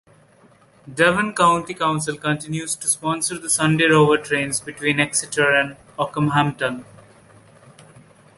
Devon County Council continues to sponsor the Sunday Rover trains between Exeter and Okehampton.